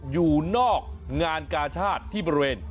อยู่นอกงานกาชาติที่บริเวณ